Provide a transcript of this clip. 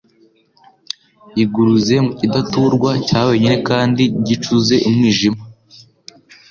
yiguruze mu kidaturwa cya wenyine kandi gicuze umwijima.